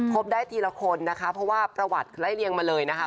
ได้ทีละคนนะคะเพราะว่าประวัติไล่เรียงมาเลยนะคะ